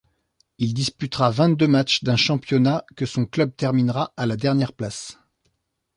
Il disputera vingt-deux matchs d'un championnat que son club terminera à la dernière place.